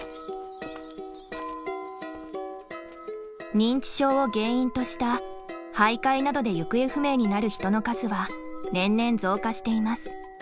認知症を原因とした徘徊などで行方不明になる人の数は年々増加しています。